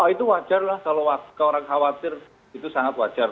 itu wajar lah kalau orang khawatir itu sangat wajar